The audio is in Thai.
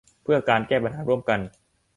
เพื่อการแก้ปัญหาร่วมกัน